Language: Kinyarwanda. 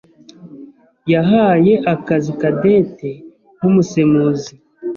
yahaye akazi Cadette nk'umusemuzi.